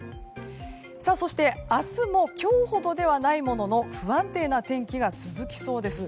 そして、明日も今日ほどではないものの不安定な天気が続きそうです。